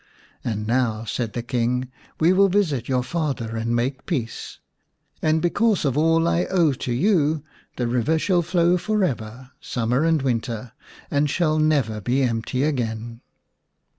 " And now," said the King, " we will visit your father and make peace. And because of all I owe to you the river shall flow for ever, summer and winter, and shall never be empty again."